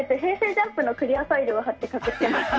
ＪＵＭＰのクリアファイルを貼って隠してます。